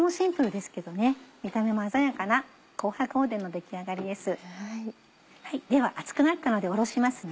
では熱くなったので下ろしますね。